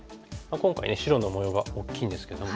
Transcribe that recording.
今回ね白の模様が大きいんですけども。